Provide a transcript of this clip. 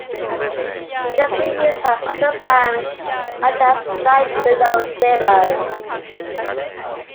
It has been used by other bands such as Nine Below Zero.